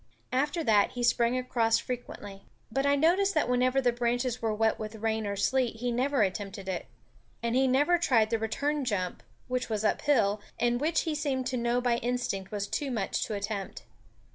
After that he sprang across frequently. But I noticed that whenever the branches were wet with rain or sleet he never attempted it; and he never tried the return jump, which was uphill, and which he seemed to know by instinct was too much to attempt.